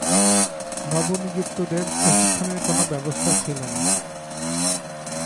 নবনিযুক্তদের প্রশিক্ষণের কোনো ব্যবস্থা ছিল না।